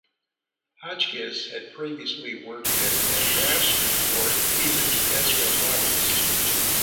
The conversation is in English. Hotchkiss had previously worked as head draftsman for Eben Ezra Roberts.